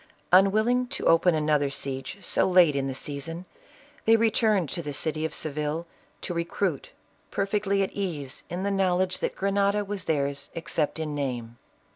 Unwilling to open another siege so late in the season, they returned to the city of Seville, to re cruit, perfectly at ease in the knowledge that Grenada was theirs except in name.